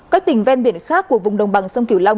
các tỉnh ven biển khác của vùng đồng bằng sông kiểu long